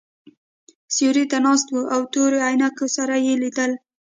سیوري ته ناست وو او تورو عینکو سره یې لیدل.